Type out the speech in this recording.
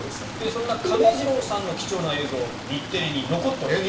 そんな亀治郎さんの貴重な映像日テレに残っております。